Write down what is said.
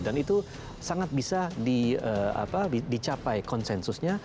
dan itu sangat bisa dicapai konsensusnya